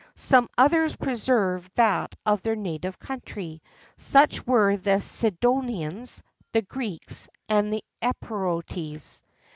Some others preserved that of their native country: such were the Sidonians, the Greeks, and the Epirotes.